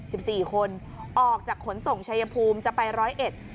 สิบสี่คนออกจากขนส่งชายภูมิจะไปร้อยเอ็ด